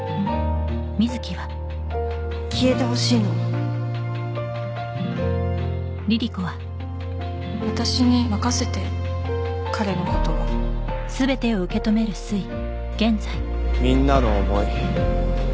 消えてほしいの私に任せて彼のことはみんなの思い